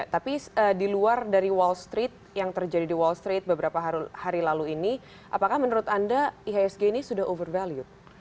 tapi di luar dari wall street yang terjadi di wall street beberapa hari lalu ini apakah menurut anda ihsg ini sudah over value